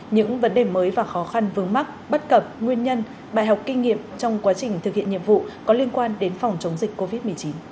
những vấn đề mới và khó khăn vướng mắt bất cập nguyên nhân bài học kinh nghiệm trong quá trình thực hiện nhiệm vụ có liên quan đến phòng chống dịch covid một mươi chín